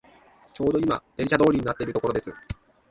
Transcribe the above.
ちょうどいま電車通りになっているところです